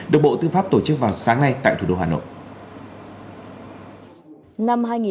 được bộ tư pháp tổ chức vào sáng nay tại thủ đô hà nội